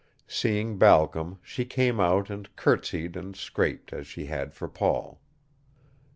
Seeing Balcom, she came out and courtesied and scraped as she had for Paul.